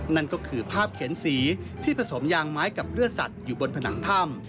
นั่นก็คือภาพเข็นสีที่ผสมยางไม้กับเลือดสัตว์อยู่บนผนังถ้ำ